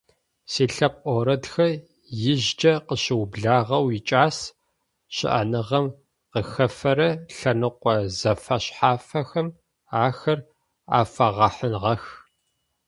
Силъэпкъ орэдхэр ижъыкӏэ къыщыублагъэу икӏас, щыӏэныгъэм къыхэфэрэ лъэныкъо зэфэшъхьафхэм ахэр афэгъэхьыгъэх.